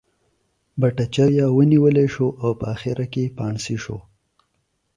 Bhattacharya was caught and later hanged.